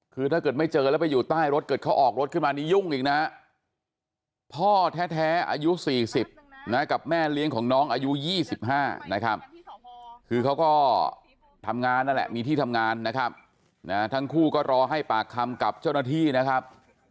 คือเขาก็ทำงานนั่นแหละมีที่ทำงานนะครับทั้งคู่ก็รอให้ปากคำกับเจ้าหน้าที่นะครับ